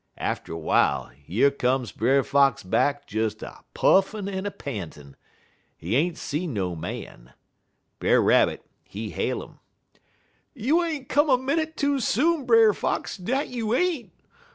Atter w'ile, yer come Brer Fox back des a puffin' en a pantin'. He ain't see no man. Brer Rabbit, he hail 'im: "'You ain't come a minnit too soon, Brer Fox, dat you ain't.